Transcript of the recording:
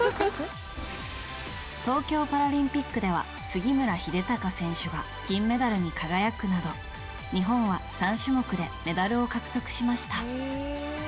東京パラリンピックでは杉村英孝選手が金メダルに輝くなど日本は３種目でメダルを獲得しました。